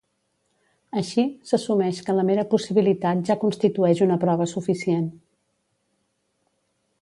Així, s'assumeix que la mera possibilitat ja constitueix una prova suficient.